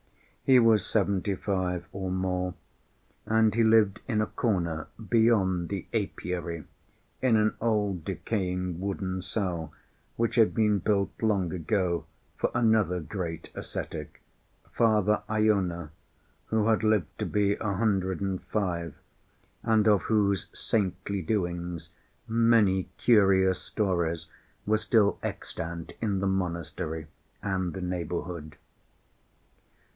He was seventy‐five or more, and he lived in a corner beyond the apiary in an old decaying wooden cell which had been built long ago for another great ascetic, Father Iona, who had lived to be a hundred and five, and of whose saintly doings many curious stories were still extant in the monastery and the neighborhood.